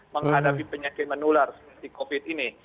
menghadapi penyakit menular seperti covid ini